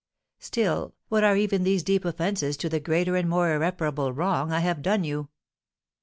Still, what are even these deep offences to the greater and more irreparable wrong I have done you?"